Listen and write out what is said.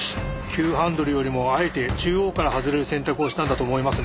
急ハンドルよりもあえて中央から外れる選択をしたんだと思いますね。